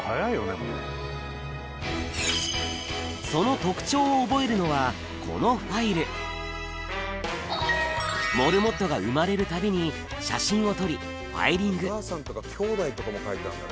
その特徴を覚えるのはこのファイルモルモットが生まれるたびに写真を撮りファイリング